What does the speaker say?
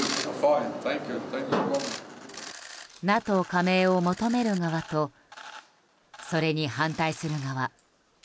ＮＡＴＯ加盟を求める側とそれに反対する側。